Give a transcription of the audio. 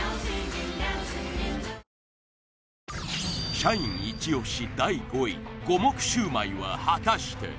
社員イチ押し第５位五目シュウマイは果たして？